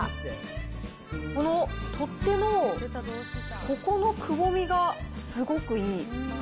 この取っ手のここのくぼみがすごくいい。